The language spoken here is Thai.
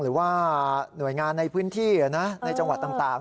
หรือว่าหน่วยงานในพื้นที่ในจังหวัดต่าง